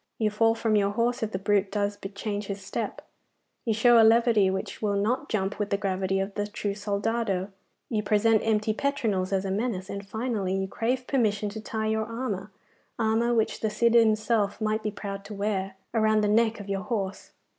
'You fall from your horse if the brute does bit change his step, you show a levity which will not jump with the gravity of the true soldado, you present empty petronels as a menace, and finally, you crave permission to tie your armour armour which the Cid himself might be proud to wear around the neck of your horse.